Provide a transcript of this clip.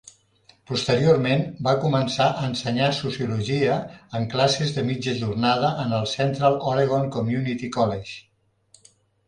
Posteriorment, va començar a ensenyar Sociologia en classes de mitja jornada en el Central Oregon Community College.